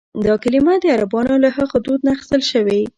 دا کلیمه د عربانو له هغه دود نه اخیستل شوې.